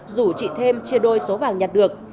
nông chia đôi số vàng nhặt được